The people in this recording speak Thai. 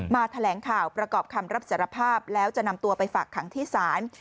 แถลงข่าวประกอบคำรับสารภาพแล้วจะนำตัวไปฝากขังที่ศาล